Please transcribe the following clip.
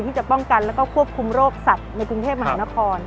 ที่จะป้องกันแล้วก็ควบคุมโรคสัตว์ในกรุงเทพมหานคร